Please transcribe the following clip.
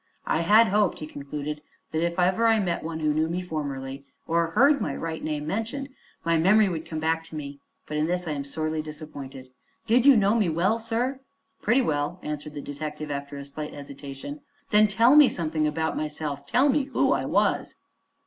"I had hoped," he concluded, "that if ever I met one who knew me formerly, or heard my right name mentioned, my memory would come back to me; but in this I am sorely disappointed. Did you know me well, sir?" "Pretty well," answered the detective, after a slight hesitation. "Then tell me something about myself. Tell me who I was."